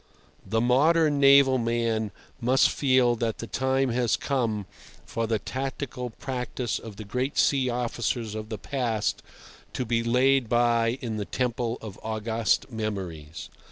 The modern naval man must feel that the time has come for the tactical practice of the great sea officers of the past to be laid by in the temple of august memories.